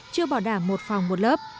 chưa bỏ đảm một phòng một lớp